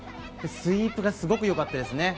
スイープがすごく良かったです。